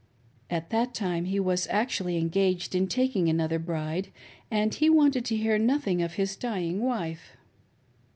At that time he was actually engaged in taking another bride; and he wanted to hear nothing of his dying wife.